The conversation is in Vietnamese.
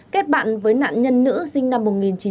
kết bạn với nạn nhân nữ sinh năm một nghìn chín trăm tám mươi